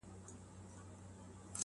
پر پنځو ظاهري حواسو